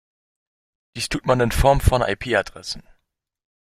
Dies tut man in Form von IP-Adressen.